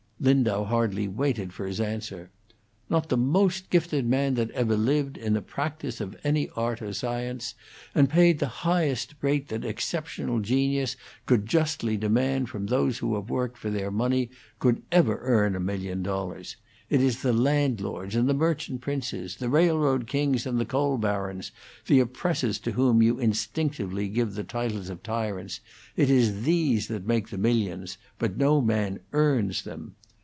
Lindau hardly waited for his answer. "Not the most gifted man that ever lived, in the practice of any art or science, and paid at the highest rate that exceptional genius could justly demand from those who have worked for their money, could ever earn a million dollars. It is the landlords and the merchant princes, the railroad kings and the coal barons (the oppressors to whom you instinctively give the titles of tyrants) it is these that make the millions, but no man earns them.